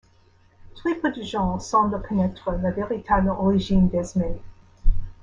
Très peu de gens semblent connaître la véritable origine d'Esmé.